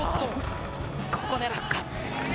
ここで落下。